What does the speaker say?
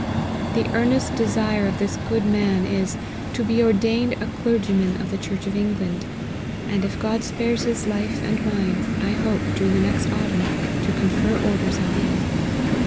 The earnest de sire of this good man is, to be ordained a clergyman of the church of England ; and if God spares his life and mine, I hope, during the next autumn, to confer orders on him.